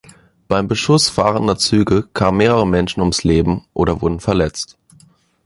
Beim Beschuss fahrender Züge kamen mehrere Menschen ums Leben oder wurden verletzt.